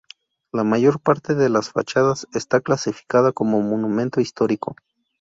La mayor parte de las fachadas está clasificada como monumento histórico.